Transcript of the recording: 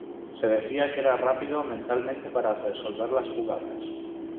Se decía que era rápido mentalmente para resolver las jugadas.